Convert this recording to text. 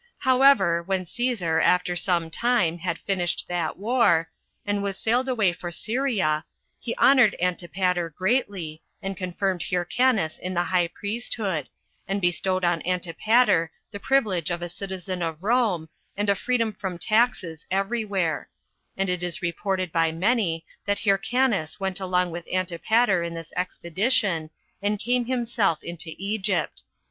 3. However, when Cæsar, after some time, had finished that war, and was sailed away for Syria, he honored Antipater greatly, and confirmed Hyrcanus in the high priesthood; and bestowed on Antipater the privilege of a citizen of Rome, and a freedom from taxes every where; and it is reported by many, that Hyrcanus went along with Antipater in this expedition, and came himself into Egypt.